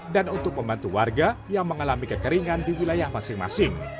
dan untuk pembantu warga yang mengalami kekeringan di wilayah masing masing